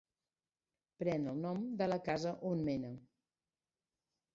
Pren el nom de la casa on mena.